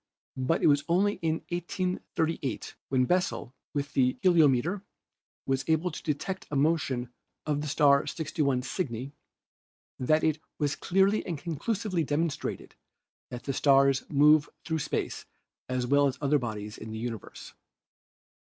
But it was only in 1838 when Bessel with the heliometer was able to detect a motion of the star 61 Cygni that it was clearly and conclusively demonstrated that the stars move through space as well as other bodies in the universe.